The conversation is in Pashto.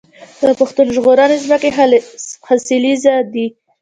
د پښتون زرغون ځمکې حاصلخیزه دي